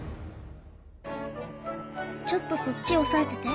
ちょっとそっち押さえてて。